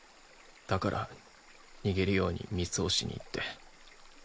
だから逃げるようにミツホシに行って。